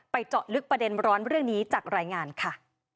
เจาะลึกประเด็นร้อนเรื่องนี้จากรายงานค่ะ